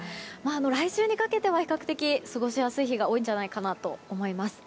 来週にかけては比較的、過ごしやすい日が多いんじゃないかなと思います。